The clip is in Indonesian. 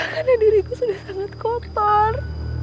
karena diriku sudah sangat kotor